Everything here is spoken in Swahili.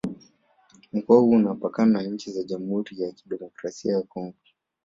Mkoa huu unapakana na nchi za Jamhuri ya Kidemokrasi ya Kongo